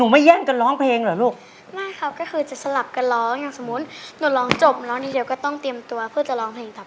ไม่ครับก็คือจะสลับกันร้องอย่างสมมุติหนูร้องจบร้องอีกเดียวก็ต้องเตรียมตัวเพื่อจะร้องเพลงต่อไปครับ